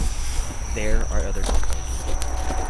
There are other composers.